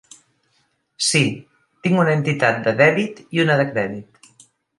Sí, tinc una entitat de dèbit i una de crèdit.